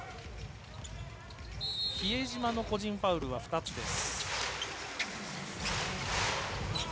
比江島の個人ファウルは２つです。